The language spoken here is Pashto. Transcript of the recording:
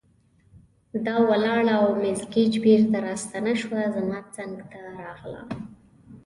دا ولاړه او مس ګېج بیرته راستنه شوه، زما څنګ ته راغله.